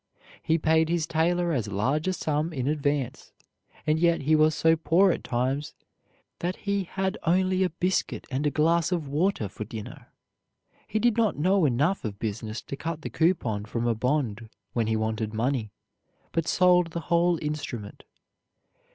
He paid his tailor as large a sum in advance, and yet he was so poor at times that he had only a biscuit and a glass of water for dinner. He did not know enough of business to cut the coupon from a bond when he wanted money, but sold the whole instrument.